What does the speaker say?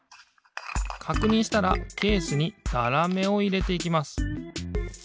かくにんしたらケースにざらめをいれていきます。